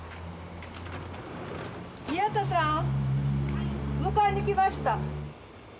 宮田さん迎えに来ました。